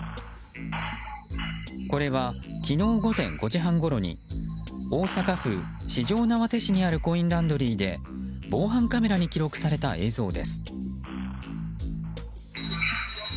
これは昨日午前５時半ごろに大阪府四條畷市にあるコインランドリーで防犯カメラに記録された映像です。